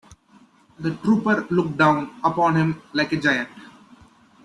The trooper looked down upon him like a giant.